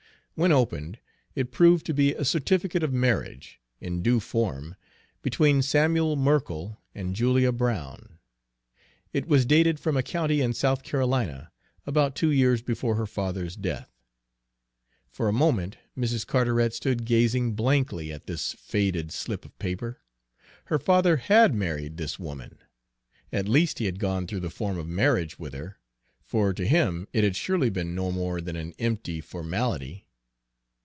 When opened, it proved to be a certificate of marriage, in due form, between Samuel Merkell and Julia Brown. It was dated from a county in South Carolina, about two years before her father's death. For a moment Mrs. Carteret stood gazing blankly at this faded slip of paper. Her father had married this woman! at least he had gone through the form of marriage with her, for to him it had surely been no more than an empty formality.